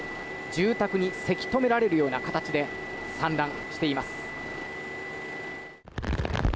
住宅にせき止められるような形で散乱しています。